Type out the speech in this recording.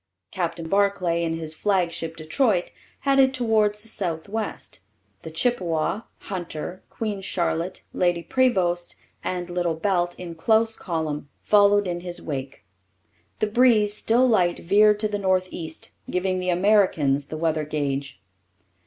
Captain Barclay in his flagship Detroit headed towards the south west. The Chippewa, Hunter, Queen Charlotte, Lady Prevost, and Little Belt, in close column, followed in his wake. The breeze, still light, veered to the north east, giving the Americans the weather gauge.